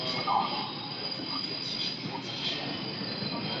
山下的低地雨林栖息有许多珍稀动物。